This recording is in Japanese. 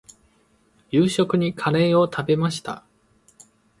夕食にカレーを食べました。